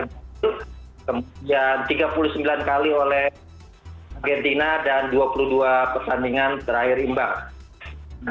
kemudian tiga puluh sembilan kali oleh argentina dan dua puluh dua pertandingan terakhir imbang